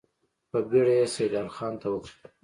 په بېړه يې سيدال خان ته وکتل.